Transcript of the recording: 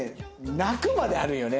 「泣く」まであるよね。